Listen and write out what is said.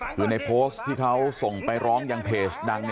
คือในโพสต์ที่เขาส่งไปร้องยังเพจดัง